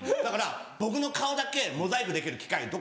だから僕の顔だけモザイクできる機械